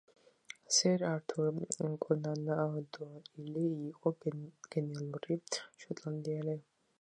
სერ ართურ კონან დოილი იყო გენიალური შოტლანდიელი